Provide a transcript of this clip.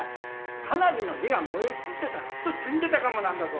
花火の火が燃え移ってたら人死んでたかもなんだぞ！